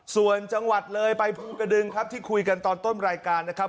ส่วนจังหวัดเลยไปภูกระดึงครับที่คุยกันตอนต้นรายการนะครับ